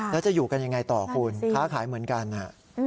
แล้วจะอยู่กันยังไงต่อคุณค้าขายเหมือนกันฮะ